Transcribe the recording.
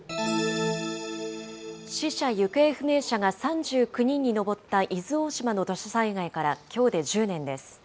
死者・行方不明者が３９人に上った伊豆大島の土砂災害からきょうで１０年です。